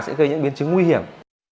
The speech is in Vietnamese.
sẽ gây những biến chứng nguy hiểm